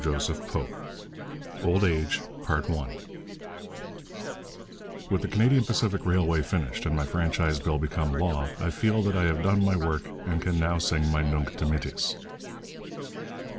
CHAPTER III OLD AGE 'With the Canadian Pacific Railway finished, and my Franchise Bill become law, I feel that I have done my work and can now sing my Nunc dimittis.'